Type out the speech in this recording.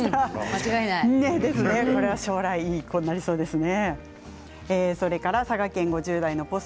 これは将来いい子になりそうですね。